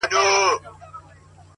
• حیوانان یې وه بارونو ته بللي,